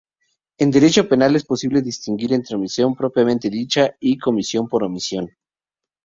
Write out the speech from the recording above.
En derecho penal es posible distinguir entre omisión propiamente dicha y comisión por omisión.